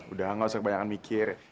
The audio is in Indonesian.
udah nggak usah banyak mikir